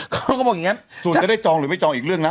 เขาก็บอกอย่างนี้ส่วนจะได้จองหรือไม่จองอีกเรื่องนะ